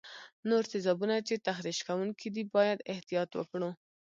نور تیزابونه چې تخریش کوونکي دي باید احتیاط وکړو.